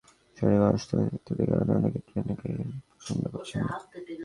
সড়কপথে যানজট, দুর্ঘটনার ঝুঁকি, শারীরিক অস্বস্তি ইত্যাদি কারণে অনেকে ট্রেনকেই পছন্দ করছেন।